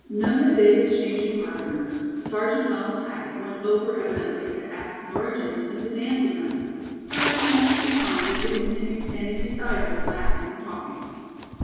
Nona Davis changing partners, Sergeant Donald Hackett went over evidently to ask Nora Jamison to dance with him, but she must have declined as he continued standing beside her, laughing and talking.